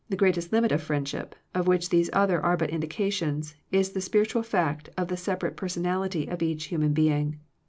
The greatest limit of friendship, of which these other are but indications, is the spiritual fact of the separate person^ ality of each human being.